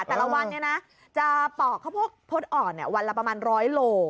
แต่ละวันไงนะจะปอกเข้าโพดอ่อนเนี่ยวันละประมาณร้อยโล